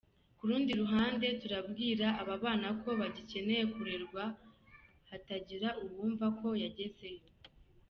Ku rundi ruhande turabwira aba bana ko bagikeneye kurerwa hatagira uwumva ko yagezeyo.